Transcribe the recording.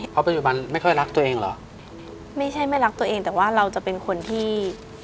เพราะปัจจุบันไม่ค่อยรักตัวเองเหรอไม่ใช่ไม่รักตัวเองแต่ว่าเราจะเป็นคนที่